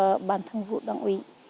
của bản thân vụ đồng ý